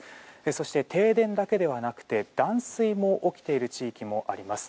そして停電だけではなくて断水も起きている地域もあります。